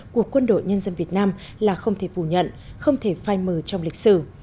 của quân đội nhân dân việt nam là không thể phủ nhận không thể phai mờ trong lịch sử